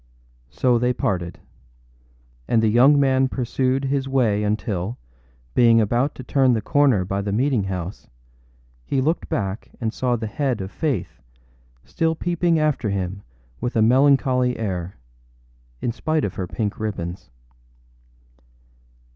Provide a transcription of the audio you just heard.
â So they parted; and the young man pursued his way until, being about to turn the corner by the meeting house, he looked back and saw the head of Faith still peeping after him with a melancholy air, in spite of her pink ribbons.